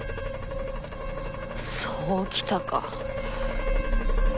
そうきたか。